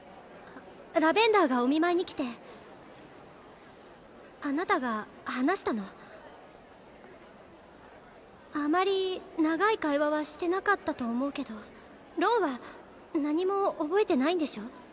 ラベンダーがお見舞いに来てあなたが話したのあまり長い会話はしてなかったと思うけどロンは何も覚えてないんでしょ？